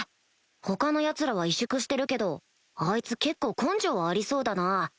他のヤツらは萎縮してるけどあいつ結構根性はありそうだな